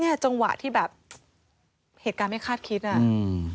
จังหวะที่แบบเหตุการณ์ไม่คาดคิดอ่ะอืม